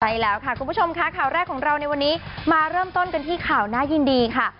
ใช่แล้วค่ะคุณผู้ชมค่ะข่าวแรกของเราในวันนี้มาเริ่มต้นกันที่ข่าวน่ายินดีค่ะ